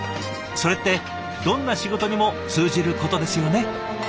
それってどんな仕事にも通じることですよね。